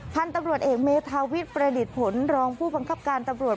พันธุ์ตำรวจเอกเมธาวิทย์ประดิษฐ์ผลรองผู้บังคับการตำรวจ